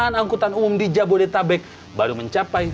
malam ini trakteernya di jakarta berkualitas terbaik